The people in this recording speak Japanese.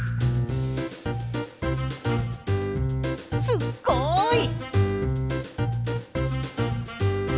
すっごい。